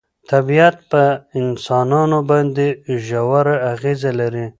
طبیعت په انسانانو باندې ژوره اغېزه لري.